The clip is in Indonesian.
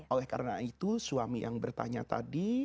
oleh karena itu suami yang bertanya tadi